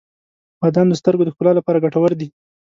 • بادام د سترګو د ښکلا لپاره ګټور دي.